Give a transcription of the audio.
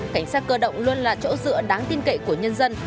cảnh sát cơ động luôn là chỗ dựa đáng tin cậy của nhân dân